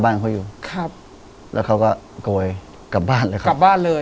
บ้านเขาอยู่ครับแล้วเขาก็โกยกลับบ้านเลยครับกลับบ้านเลย